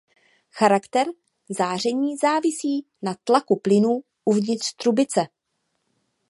Charakter záření závisí na tlaku plynů uvnitř trubice.